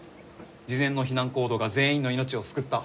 事前の避難行動が全員の命を救った。